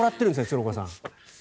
鶴岡さん。